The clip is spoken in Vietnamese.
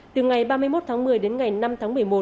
từ ngày ba mươi một tháng một mươi đến ngày năm tháng một mươi một